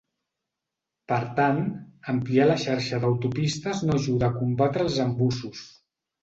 Per tant, ampliar la xarxa d'autopistes no ajuda a combatre els embussos.